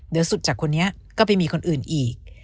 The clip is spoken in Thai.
เดี๋ยวสุดจากคนนี้ก็ไปมีคนอื่นอีก